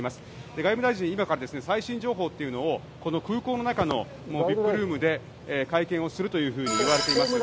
外務大臣は今から最新情報というのを空港の中のＶＩＰルームで会見をするといわれています。